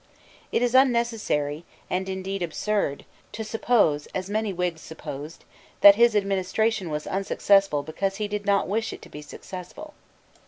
It is unnecessary, and indeed absurd, to suppose, as many Whigs supposed, that his administration was unsuccessful because he did not wish it to be successful.